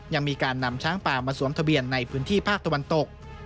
ยังมีการนำช้างป่ามาสวมทะเบียนในพื้นที่ภาคตะวันตก